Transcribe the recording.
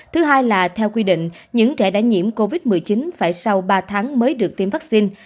thứ hai là theo quy định những trẻ đã nhiễm covid một mươi chín phải sau ba tháng mới được tiêm vaccine